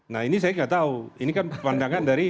nah ini saya nggak tahu ini kan pandangan dari